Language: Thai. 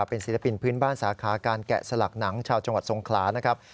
เป็นศิลปินพื้นบ้านสาขาการแกะสลักหนังชาวจังหวัดทรงขลานะครับ